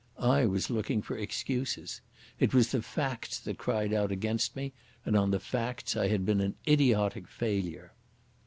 I was looking for excuses. It was the facts that cried out against me, and on the facts I had been an idiotic failure.